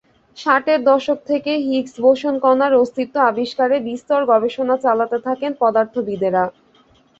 ষাটের দশক থেকেই হিগস বোসন কণার অস্তিত্ব আবিষ্কারে বিস্তর গবেষণা চালাতে থাকেন পদার্থবিদেরা।